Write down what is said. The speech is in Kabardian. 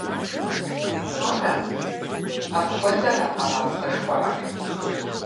Ара, апхуэдэра къэрабгъэ жыхуаӀэр?